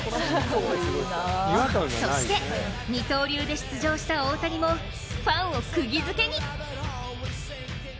そして二刀流で出場した大谷もファンをくぎづけに。